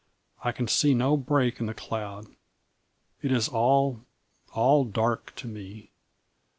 I can see no break in the cloud. It is all, all dark to me."